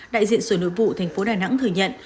đại diện sở nội vụ thành phố đà nẵng thừa nhận